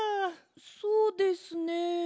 そうですね。